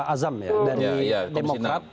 azam ya dari demokrat